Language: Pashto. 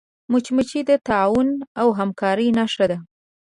مچمچۍ د تعاون او همکاری نښه ده